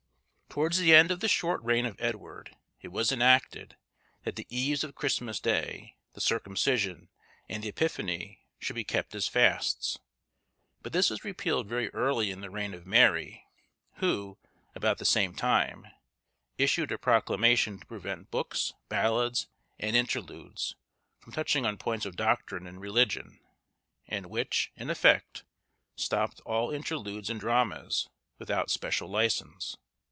Towards the end of the short reign of Edward, it was enacted, that the Eves of Christmas Day, the Circumcision, and the Epiphany, should be kept as fasts. But this was repealed very early in the reign of Mary, who, about the same time, issued a proclamation to prevent books, ballads, and interludes, from touching on points of doctrine in religion; and which, in effect, stopped all interludes and dramas, without special license.